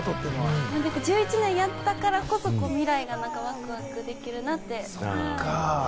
１１年やったからこそ未来がワクワクして。